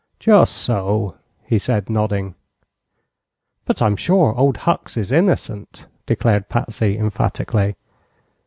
"Just so," he said, nodding. "But I'm sure Old Hucks is innocent!" declared Patsy, emphatically.